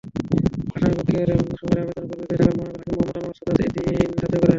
আসামিপক্ষের সময়ের আবেদনের পরিপ্রেক্ষিতে ঢাকার মহানগর হাকিম মোহাম্মদ আনোয়ার সাদাত এদিন ধার্য করেন।